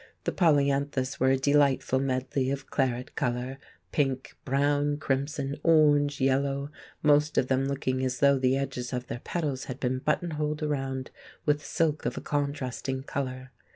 The polyanthus were a delightful medley of claret colour, pink, brown, crimson, orange, yellow, most of them looking as though the edges of the petals had been buttonholed around with silk of a contrasting colour.